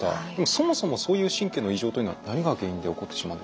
そもそもそういう神経の異常というのは何が原因で起こってしまうんでしょうか？